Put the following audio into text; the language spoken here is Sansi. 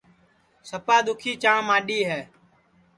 سپا دُؔکھی چاں ماڈؔی ہے